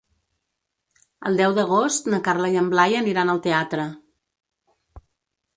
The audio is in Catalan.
El deu d'agost na Carla i en Blai aniran al teatre.